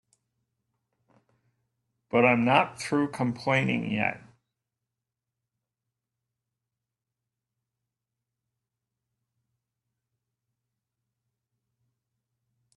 But I'm not through complaining yet.